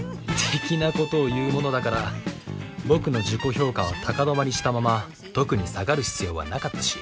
的なことを言うものだから僕の自己評価は高止まりしたまま特に下がる必要はなかったし。